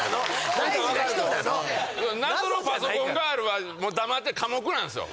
謎のパソコンガールは黙って寡黙なんですよ。